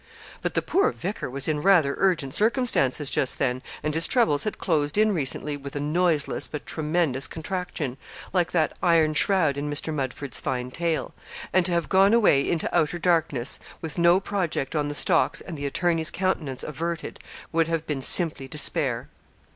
But the poor vicar was in rather urgent circumstances just then, and his troubles had closed in recently with a noiseless, but tremendous contraction, like that iron shroud in Mr. Mudford's fine tale; and to have gone away into outer darkness, with no project on the stocks, and the attorney's countenance averted, would have been simply despair.